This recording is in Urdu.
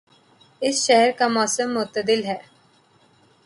اس شہر کا موسم معتدل ہے